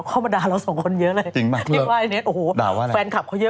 ข้อบัตราเราสองคนเยอะเลย